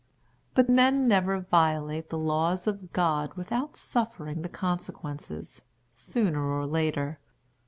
But men never violate the laws of God without suffering the consequences, sooner or later.